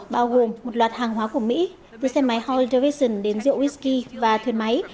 bao gồm một loạt hàng hóa của mỹ từ xe máy harley davidson đến rượu whisky và thuyền máy